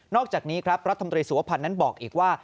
นอกจากนี้ครับรัฐธรรมตรีสุวพรรณนั้นบอกอีกว่า